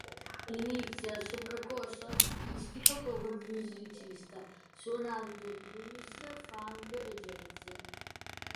Inizia il suo percorso artistico come musicista suonando blues, funk e jazz.